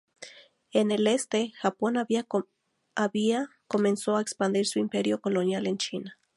En el este, Japón había comenzó a expandir su imperio colonial en China.